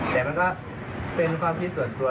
แต่มันก็เป็นความที่ส่วนตัวที่เป็น